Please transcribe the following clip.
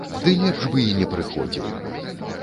Ды лепш бы і не прыходзіў.